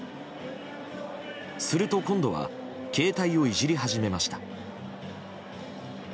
すると、今度は携帯をいじり始めました。